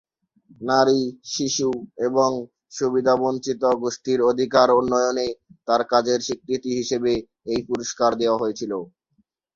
নারী, শিশু এবং সুবিধাবঞ্চিত গোষ্ঠীর অধিকার উন্নয়নে তাঁর কাজের স্বীকৃতি হিসেবে এই পুরস্কার দেওয়া হয়েছিল।